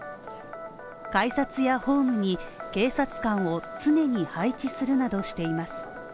改札やホームに警察官を常に配置するなどしています。